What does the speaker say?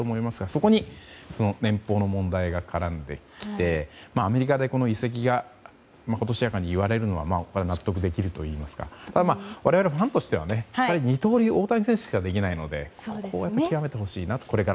そこに年俸の問題が絡んできてアメリカで移籍がまことしやかに言われるのは納得できるといいますかただ、我々ファンとしては二刀流は大谷選手しかできないのでここは極めてほしいなと。